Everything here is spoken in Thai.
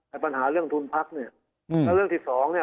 ปัญหาเรื่องทุนพักเนี่ยแล้วเรื่องที่สองเนี่ย